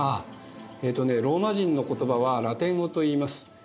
ローマ人の言葉はラテン語といいます。